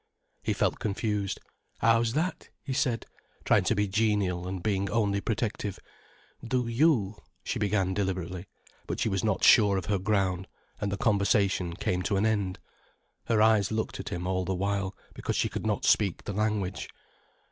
He felt confused. "How's that?" he said, trying to be genial and being only protective. "Do you——?" she began deliberately. But she was not sure of her ground, and the conversation came to an end. Her eyes looked at him all the while, because she could not speak the language.